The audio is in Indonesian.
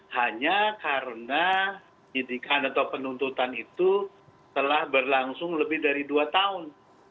hanya karena penyidikan atau penuntutan itu telah berlangsung lebih dari dua tahun